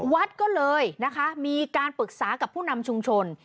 วัดก็เลยนะคะมีการปรึกษากับผู้นำชุมชน